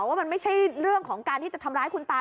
ว่ามันไม่ใช่เรื่องของการที่จะทำร้ายคุณตา